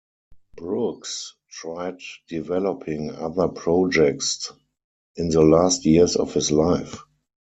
Brooks tried developing other projects in the last years of his life.